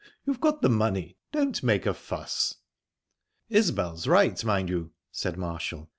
You've got the money don't make a fuss." "Isbel's right, mind you," said Marshall.